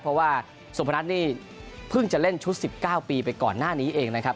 เพราะว่าสุพนัทนี่เพิ่งจะเล่นชุด๑๙ปีไปก่อนหน้านี้เองนะครับ